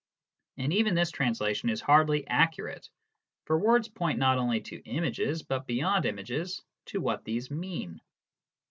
And even this translation is hardly accurate, for words point not only to images, but beyond images to what these mean.